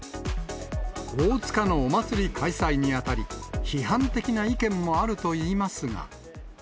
大塚のお祭り開催にあたり、批判的な意見もあるといいますが。